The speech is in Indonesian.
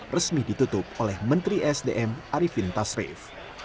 resmi ditutup oleh menteri sdm arifin tasrif